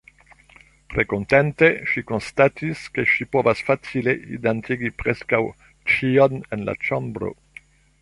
Tre kontente ŝi konstatis ke ŝi povas facile identigi preskaŭ ĉion en la ĉambro.